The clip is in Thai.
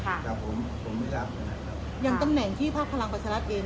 ผมไม่รับประดับยังต้นแหน่งที่ภาพพลังประรัชรัฐเอง